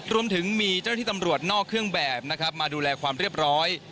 รวมถึงมีเจ้าหน้าที่ตำรวจนอกเครื่องแบบนะครับมาดูแลความเรียบร้อย